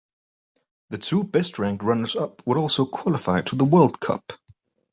The two best ranked runners up would also qualify to the World Cup.